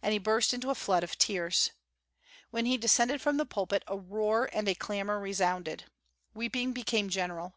And he burst into a flood of tears. When he descended from the pulpit a roar and a clamor resounded. Weeping became general.